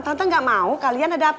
tante nggak mau kalian ada apa apa